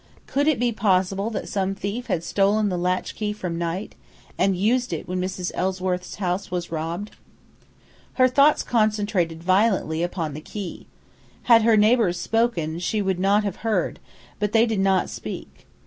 Could it be possible that some thief had stolen the latchkey from Knight, and used it when Mrs. Ellsworth's house was robbed? Her thoughts concentrated violently upon the key. Had her neighbours spoken she would not have heard; but they did not speak.